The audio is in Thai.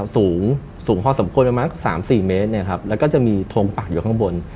สูงสูงพอสมควรประมาณ๓๔เมตรแล้วก็จะมีทงปักอยู่ข้างบน